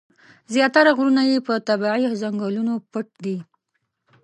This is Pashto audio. زیاتره غرونه یې په طبیعي ځنګلونو پټ دي.